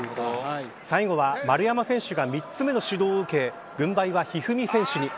最後は、丸山選手が３つ目の指導を受け軍配は一二三選手に。